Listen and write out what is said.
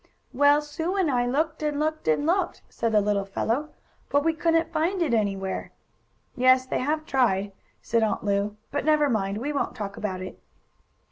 "Well, Sue and I looked and looked and looked," said the little fellow, "but we couldn't find it anywhere!" "Yes, they have tried," said Aunt Lu. "But never mind, we won't talk about it."